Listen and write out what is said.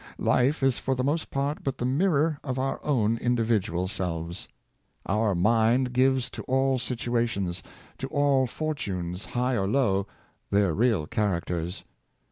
Life is for the most part but the mirror of our own individual selves. Our mind gives to all situations, to all fortunes, high or low, their real characters.